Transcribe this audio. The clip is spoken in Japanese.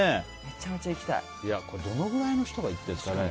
どのくらいの人が行ってるんですかね。